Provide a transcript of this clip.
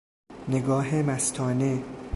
نگاه مستانه